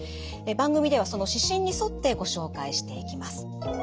番組ではその指針に沿ってご紹介していきます。